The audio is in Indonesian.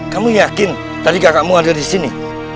kamu yakin tadi kakakmu hadir di sini